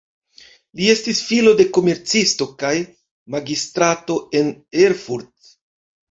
Li estis filo de komercisto kaj magistrato en Erfurt.